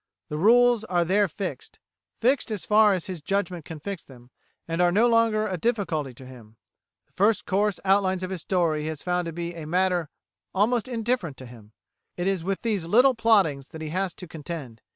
The rules are there fixed fixed as far as his judgment can fix them and are no longer a difficulty to him. The first coarse outlines of his story he has found to be a matter almost indifferent to him. It is with these little plottings that he has to contend.